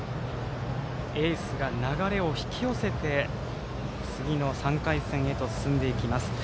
エースが流れを引き寄せて次の３回戦へと進んでいきます。